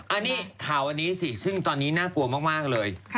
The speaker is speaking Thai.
อันนี้ข่าวอันนี้สิซึ่งตอนนี้น่ากลัวมากเลย